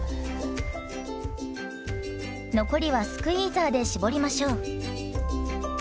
残りはスクイーザーで搾りましょう。